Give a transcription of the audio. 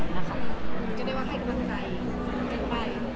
ก็ได้ว่าใครกำลังใจจะไป